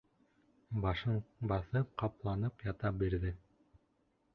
Башын баҫып, ҡапланып ята бирҙе.